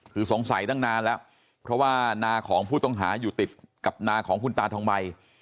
คือสงสัยตั้งนานแล้วเพราะว่านาของผู้ต้องหาอยู่ติดกับนาของคุณตาทองใบ